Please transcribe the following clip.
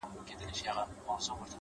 عجيب ساز په سمندر کي را ايسار دی”